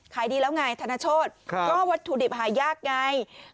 ขายดีแล้วไงธนโชษก็วัตถุดิบหายากไงครับ